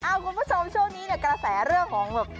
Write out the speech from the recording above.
คุณผู้ชมช่วงนี้เนี่ยกระแสเรื่องของแบบ